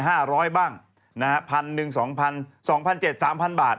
แล้วก็จะขอเงิน๕๐๐บ้างนะฮะ๑๐๐๐๒๐๐๐๒๗๐๐๓๐๐๐บาท